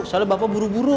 soalnya bapak buru buru